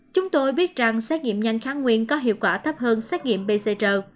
chúng tôi biết rằng xét nghiệm nhanh kháng nguyên có hiệu quả thấp hơn xét nghiệm pcr